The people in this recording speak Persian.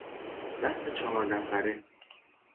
بحث چهار نفره